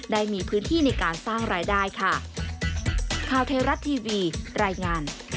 ได้มีพื้นที่ในการสร้างรายได้ค่ะ